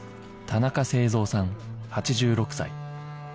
田中誠三さん８６歳